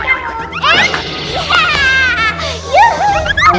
ini baju buat kamu